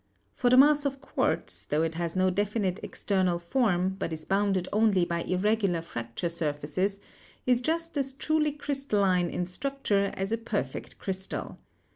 For the mass of quartz, tho it has no definite^ external form, but is bounded only by irregular fracture surfaces, is just as truly crystalline in structure as a per fect crystal.